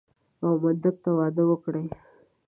او منډک ته واده وکړي.